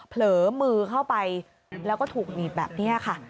เผลอมือเข้าไปแล้วก็ถูกหนีบแบบนี้ค่ะ